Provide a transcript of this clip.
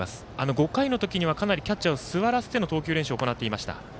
５回の時にはかなりキャッチャーを座らせての投球練習を行っていました。